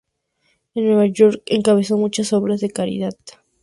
En Nueva York encabezó muchas obras de caridad.